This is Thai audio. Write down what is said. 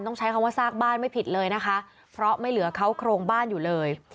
ใช้คำว่าซากบ้านไม่ผิดเลยนะคะเพราะไม่เหลือเขาโครงบ้านอยู่เลย